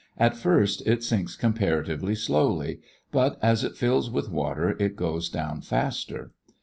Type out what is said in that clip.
At first it sinks comparatively slowly, but as it fills with water it goes down faster.